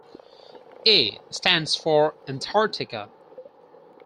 'A' stands for Antarctica.